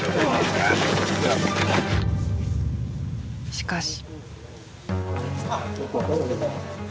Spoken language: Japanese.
しかし。